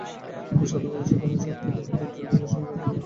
দুঃসাধ্য ক্ষতিসাধনের শক্তি দেহে দুর্জয়বেগে সঞ্চার করলে কে?